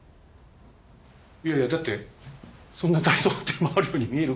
いやいやだってそんな大層なテーマあるように見える？